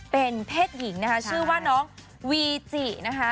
เป็นเพศหญิงนะคะชื่อว่าน้องวีจินะคะ